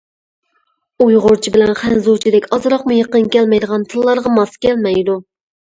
ئۇيغۇرچە بىلەن خەنزۇچىدەك ئازراقمۇ يېقىن كەلمەيدىغان تىللارغا ماس كەلمەيدۇ.